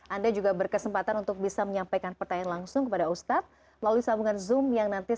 anda juga berkesempatan untuk bisa menyampaikan pertanyaan langsung kepada ustadz melalui sambungan zoom yang nanti